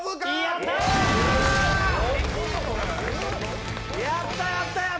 やった、やった、やった！